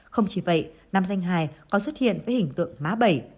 không chỉ vậy nam danh hài còn xuất hiện với hình tượng má bảy